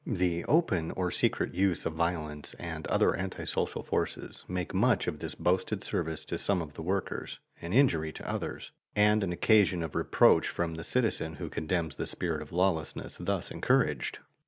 The open or secret use of violence and other antisocial forces make much of this boasted service to some of the workers, an injury to others, and an occasion of reproach from the citizen who condemns the spirit of lawlessness thus encouraged.